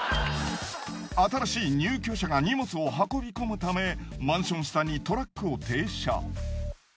新しい入居者が荷物を運び込むためマンション下にトラックを停車。